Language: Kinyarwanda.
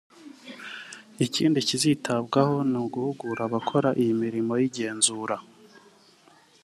Ikindi kizitabwaho ni uguhugura abakora iyi mirimo y’igenzura